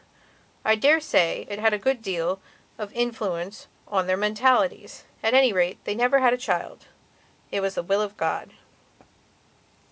I dare say it had a good deal of influence on their mentalities. At any rate, they never had a child. It was the Will of God.